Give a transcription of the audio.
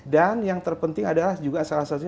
dan yang terpenting adalah juga salah satunya